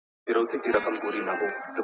اقتصاد پوهنځۍ په تصادفي ډول نه ټاکل کیږي.